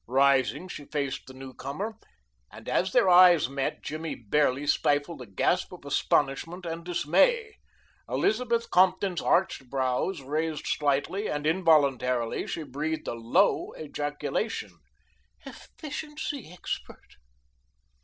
Rising, she faced the newcomer, and as their eyes met, Jimmy barely stifled a gasp of astonishment and dismay. Elizabeth Compton's arched brows raised slightly and involuntarily she breathed a low ejaculation, "Efficiency expert!"